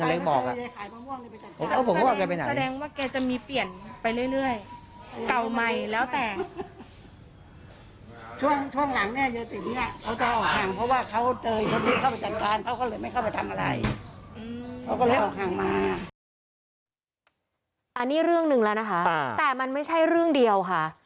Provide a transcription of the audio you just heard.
อันนี้เรื่องหนึ่งแล้วนะคะแต่มันไม่ใช่เรื่องเดียวค่ะ